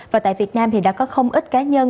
và tại việt nam thì đã có không ít cá nhân